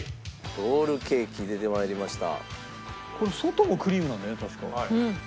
ロールケーキ出て参りました。